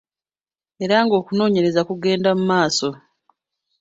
Era ng'okunoonyereza kugenda mu maaso.